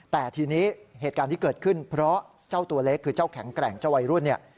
แต่ทีนี้เหตุการณ์ที่เกิดขึ้นเพราะเจ้าตัวเล็กคือเจ้าแข็งแกร่งเจ้าวัยรุ่นเนี่ย